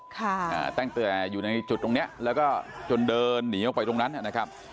ค่ะอ่าตั้งแต่อยู่ในจุดตรงเนี้ยแล้วก็จนเดินหนีออกไปตรงนั้นนะครับ